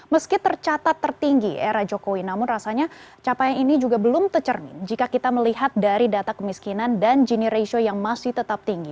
meski tercatat tertinggi era jokowi namun rasanya capaian ini juga belum tercermin jika kita melihat dari data kemiskinan dan gini ratio yang masih tetap tinggi